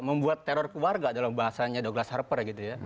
membuat teror ke warga dalam bahasanya douglas harper